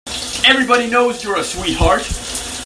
Everybody knows you're a sweetheart.